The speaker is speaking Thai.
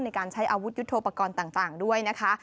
ในการใช้อาวุธยุทธโปรกรณ์ต่างด้วยนะคะ